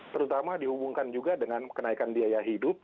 terutama dihubungkan juga dengan kenaikan biaya hidup